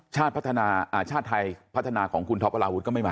ชาติพัฒนาชาติไทยพัฒนาของคุณท๊อปอลาอาหูธก็ไม่มา